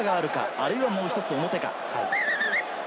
あるいはもう１つ表か。